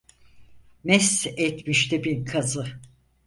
Mest etmişti bin kazı.